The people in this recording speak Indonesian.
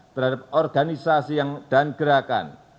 terhadap organisasi dan gerakan